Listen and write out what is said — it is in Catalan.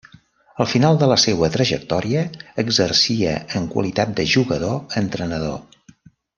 Al final de la seua trajectòria exercia en qualitat de jugador-entrenador.